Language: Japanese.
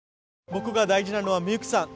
僕が大事なのはミユキさん。